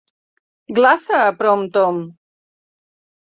glaça a Prompton